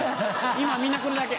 今みんなこれだけ。